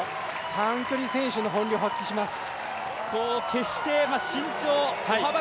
短距離選手の本領を発揮します。